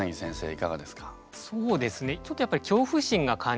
いかがですか？